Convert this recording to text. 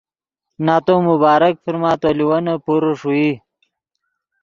نتو مبارک فرما تو لیوینے پورے ݰوئی